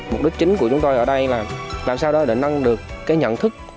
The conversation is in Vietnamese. mục đích chính của chúng tôi ở đây là làm sao đó để nâng được cái nhận thức